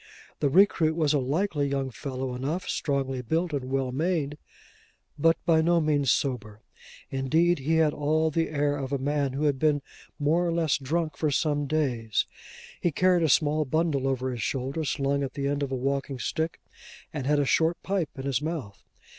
The recruit was a likely young fellow enough, strongly built and well made, but by no means sober: indeed he had all the air of a man who had been more or less drunk for some days. He carried a small bundle over his shoulder, slung at the end of a walking stick, and had a short pipe in his mouth.